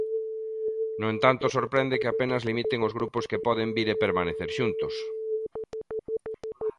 No entanto sorprende que apenas limiten os grupos que poden vir e permanecer xuntos.